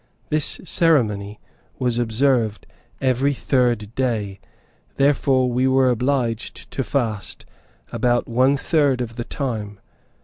This ceremony was observed every third day, therefore we were obliged to fast about one third of the time.